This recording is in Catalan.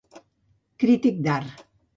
Crític d'Art.